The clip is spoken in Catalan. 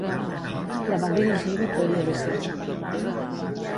La va dirigir Vittorio De Sica.